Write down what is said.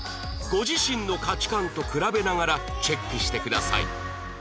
ご自身の価値観と比べながらチェックしてください